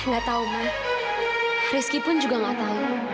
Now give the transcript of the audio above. gak tahu ma rizky pun juga gak tahu